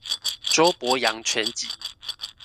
周伯陽全集